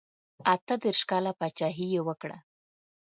اته دېرش کاله پاچهي یې وکړه.